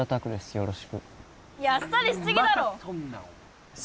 よろしくいやあっさりしすぎだろまた